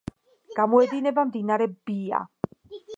გამოედინება მდინარე ბია.